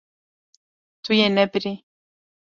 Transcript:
Tu yê nebirî.